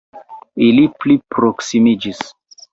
Ili pli proksimiĝis.